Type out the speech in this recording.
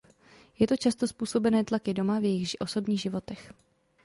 Je to často způsobené tlaky doma, v jejich osobních životech.